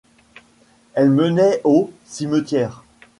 Elle menait au... cimetière.